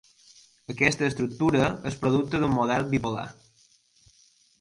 Aquesta estructura és producte d'un model bipolar.